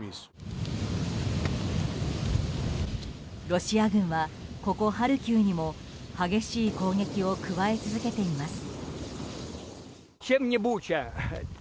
ロシア軍は、ここハルキウにも激しい攻撃を加え続けています。